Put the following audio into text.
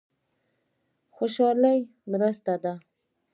خوشالي مرسته ده.